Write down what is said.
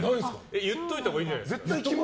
言っといたほうがいいんじゃないですか？